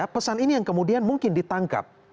pesan ini yang kemudian mungkin ditangkap